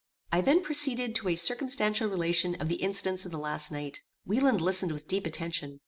I then proceeded to a circumstantial relation of the incidents of the last night. Wieland listened with deep attention.